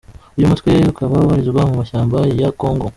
Uyu mutwe ukaba ubarizwa mu mashyamba ya kongo.